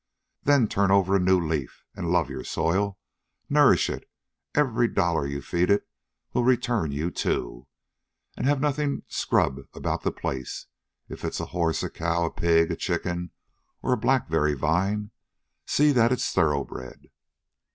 Then turn over a new leaf, and love your soil. Nourish it. Every dollar you feed it will return you two. And have nothing scrub about the place. If it's a horse, a cow, a pig, a chicken, or a blackberry vine, see that it's thoroughbred."